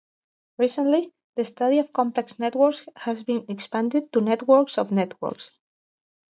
Recently, the study of complex networks has been expanded to networks of networks.